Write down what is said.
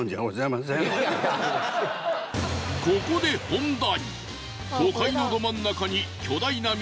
ここで本題。